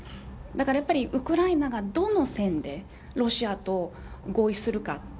だから、やっぱりウクライナが、どの線でロシアと合意するか。